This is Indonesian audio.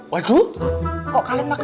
waduh kok kalian